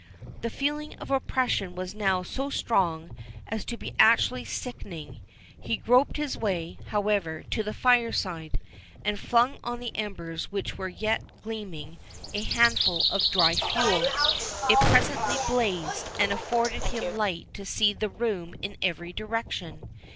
The feeling of oppression was now so strong as to be actually sickening. He groped his way, however, to the fireside, and flung on the embers which were yet gleaming, a handful of dry fuel. It presently blazed, and afforded him light to see the room in every direction.